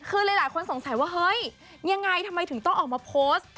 คือหลายคนสงสัยว่าเฮ้ยยังไงทำไมถึงต้องออกมาโพสต์